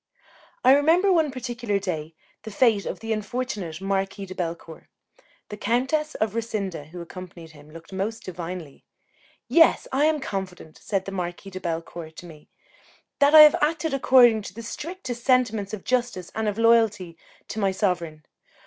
I remember, one particular day, the fate of the unfortunate Marquis de Bellecourt. The Countess of Rassinda, who accompanied him, looked most divinely. "Yes, I am confident," said the Marquis de Bellecourt to me, "that I have acted according to the strictest sentiments of justice and of loyalty to my sovereign.